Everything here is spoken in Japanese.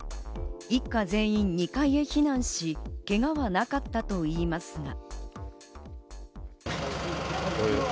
一家全員２階へ避難し、けがはなかったといいますが。